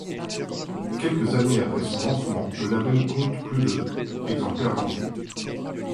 Quelques années après son lancement, le label compte plus de exemplaires vendus.